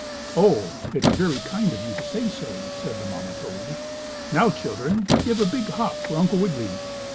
"Oh, it's very kind of you to say so," said the mamma toad. "Now, children, give a big hop for Uncle Wiggily."